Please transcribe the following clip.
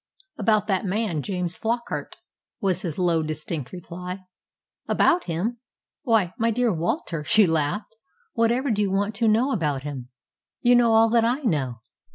"About that man James Flockart," was his low, distinct reply. "About him! Why, my dear Walter," she laughed, "whatever do you want to know about him? You know all that I know.